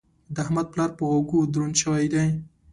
د احمد پلار په غوږو دروند شوی دی.